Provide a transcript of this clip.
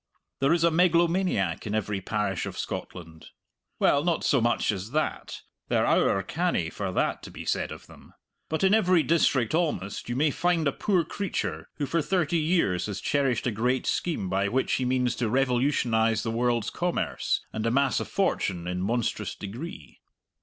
There is a megalomaniac in every parish of Scotland. Well, not so much as that; they're owre canny for that to be said of them. But in every district almost you may find a poor creature who for thirty years has cherished a great scheme by which he means to revolutionize the world's commerce, and amass a fortune in monstrous degree.